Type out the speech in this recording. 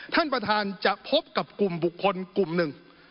ท่านประธานจะพบกับกลุ่มบุคคลกลุ่มหนึ่ง